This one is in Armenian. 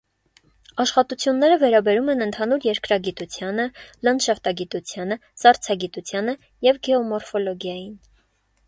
Աշխատությունները վերաբերում են ընդհանուր երկրագիտությանը, լանդշաֆտագիտությանը, սառցագիտությանը և գեոմորֆոլոգիային։